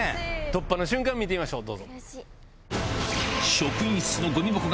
突破の瞬間見てみましょう。